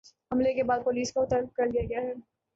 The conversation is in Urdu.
حملے کے بعد پولیس کو طلب کر لیا گیا ہے